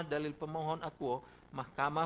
dalil pemohon akuo mahkamah